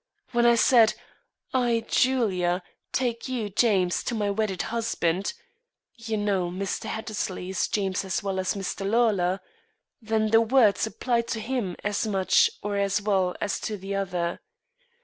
When I said: 'I, Julia, take you, James, to my wedded husband' you know Mr. Hattersley is James as well as Mr. Lawlor then the words applied to him as much or as well as to the other.